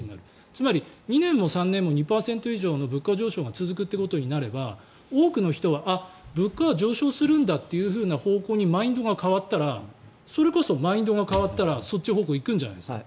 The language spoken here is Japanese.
つまり２年も３年も２％以上の物価上昇が続くということになれば多くの人は物価は上昇するんだという方向にマインドが変わったらそれこそマインドが変わったらそっち方向に行くんじゃないですか？